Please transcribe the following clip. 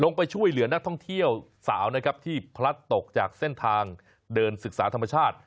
ลงไปช่วยเหลือนักท่องเที่ยวสาวนะครับที่พลัดตกจากเส้นทางเดินศึกษาธรรมชาติ